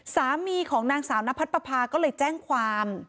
สามีของนางสาวนพัดปภาก็เลยแจ้งความ